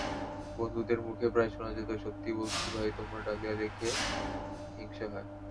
বন্ধুদের মুখে প্রায় শোনা যেত—সত্যি বলছি ভাই, তোমার ডালিয়া দেখে হিংসে হয়।